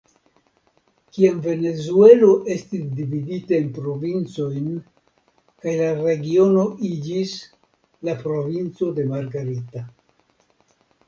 Kiam Venezuelo estis dividita en provincojn kaj la regiono iĝis la provinco de Margarita.